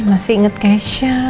masih ingat keisha